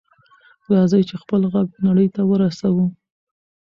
راځئ چې خپل غږ نړۍ ته ورسوو.